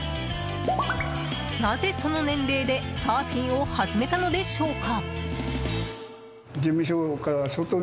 なぜ、その年齢でサーフィンを始めたのでしょうか。